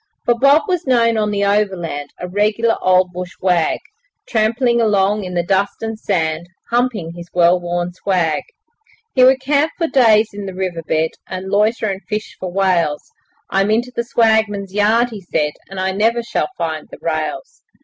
For Bob was known on the Overland, A regular old bush wag, Tramping along in the dust and sand, Humping his well worn swag. He would camp for days in the river bed, And loiter and 'fish for whales'. 'I'm into the swagman's yard,' he said, 'And I never shall find the rails.'